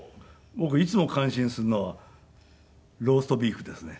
僕いつも感心するのはローストビーフですね。